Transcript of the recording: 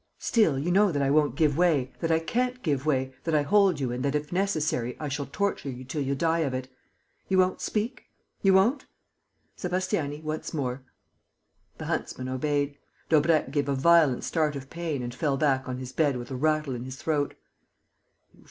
Still, you know that I won't give way, that I can't give way, that I hold you and that, if necessary, I shall torture you till you die of it. You won't speak? You won't?... Sébastiani, once more." The huntsman obeyed. Daubrecq gave a violent start of pain and fell back on his bed with a rattle in his throat.